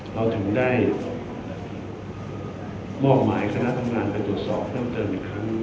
เราถึงได้มอบหมายคณะทำงานไปตรวจสอบเพิ่มเติมอีกครั้ง